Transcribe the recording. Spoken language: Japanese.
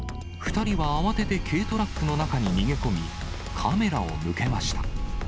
２人は慌てて軽トラックの中に逃げ込み、カメラを向けました。